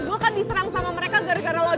gue kan diserang sama mereka gara gara lo